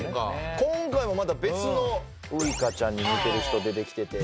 今回もまた別のウイカちゃんに似てる人出てきてて。